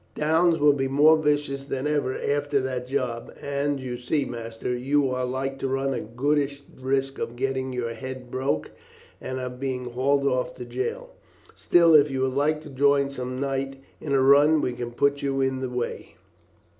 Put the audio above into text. Downes will be more vicious than ever after that job, and you see, master, you are like to run a goodish risk of getting your head broke and of being hauled off to jail. Still, if you would like to join some night in a run we can put you in the way."